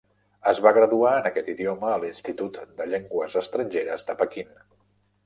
Es va graduar en aquest idioma a l'Institut de Llengües estrangeres de Pequín.